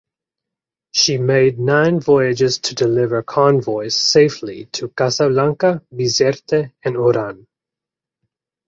She made nine voyages to deliver convoys safely to Casablanca, Bizerte, and Oran.